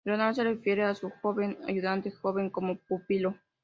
Leonardo se refiere a su joven ayudante joven como "pupilo".